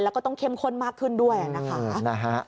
แล้วก็ต้องเข้มข้นมากขึ้นด้วยนะคะ